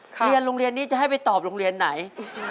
เรียนโรงเรียนนี้จะให้ไปตอบโรงเรียนไหน